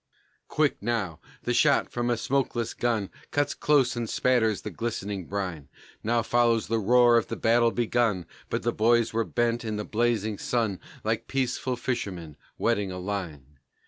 Quick now! the shot from a smokeless gun Cuts close and spatters the glistening brine; Now follows the roar of the battle begun, But the boys were bent in the blazing sun Like peaceful fishermen, "wetting a line."